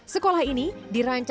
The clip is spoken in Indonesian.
sekolah ini dirancangkan